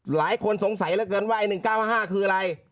หลายคนสงสัยเหลือเกินว่าไอ้๑๙๕คืออะไร